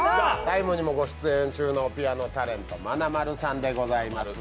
「ＴＩＭＥ，」にも出演中のピアノタレント、まなまるさんでございます。